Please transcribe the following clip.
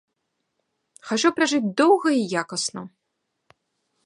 Хачу пражыць доўга і якасна.